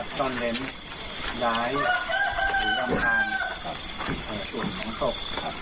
พร้อมเกิดการตายพาวุดปืนไปในเมืองหมู่บ้านหรือทางจากธนาคับ